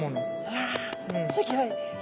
うわすギョい。